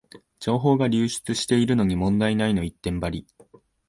情報が流出してるのに問題ないの一点張り